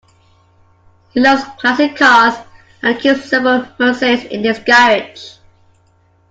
He loves classic cars, and keeps several Mercedes in his garage